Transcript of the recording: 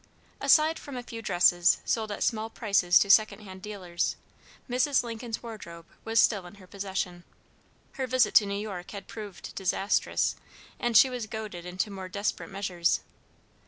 Aside from a few dresses sold at small prices to secondhand dealers, Mrs. Lincoln's wardrobe was still in her possession. Her visit to New York had proved disastrous, and she was goaded into more desperate measures.